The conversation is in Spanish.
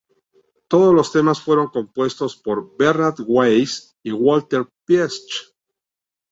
Todos los temas fueron compuestos por Bernhard Weiss y Walter Pietsch.